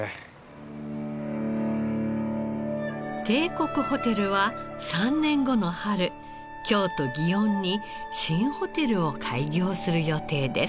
帝国ホテルは３年後の春京都園に新ホテルを開業する予定です。